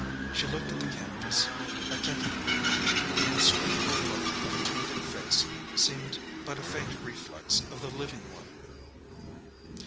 She looked at the canvas attentively. The inscrutable look of the painted face seemed but a faint reflex of the living one.